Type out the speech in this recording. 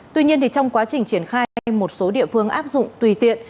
tuy nhiên trong quá trình triển khai một số địa phương áp dụng tùy tiện